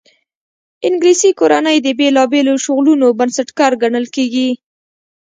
انګلیسي کورنۍ د بېلابېلو شغلونو بنسټګر ګڼل کېږي.